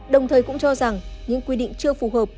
đồng thời cũng cho rằng những quy định chưa phù hợp